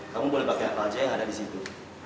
kamu boleh pakai apa aja yang ada di situ